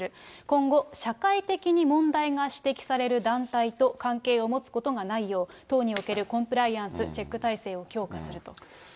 今後、社会的に問題が指摘される団体と関係を持つことがないよう、党におけるコンプライアンス・チェック体制を強化すると。